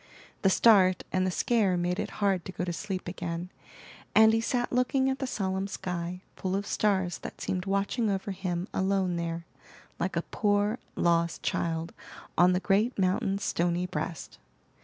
The start and the scare made it hard to go to sleep again, and he sat looking at the solemn sky, full of stars that seemed watching over him alone there, like a poor, lost child on the great mountain's stony breast.